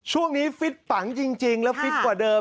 ช่วงนี้ฟิตปังจริงและฟิตกว่าเดิม